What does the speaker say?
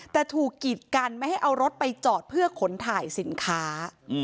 แต่ถูกกีดกันไม่ให้เอารถไปจอดเพื่อขนถ่ายสินค้า